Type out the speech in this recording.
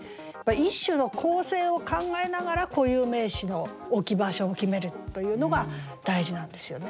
一首の構成を考えながら固有名詞の置き場所を決めるというのが大事なんですよね。